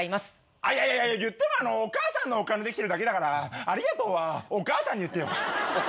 いやいやいやいってもお母さんのお金で来てるだけだからありがとうはお母さんに言ってよ。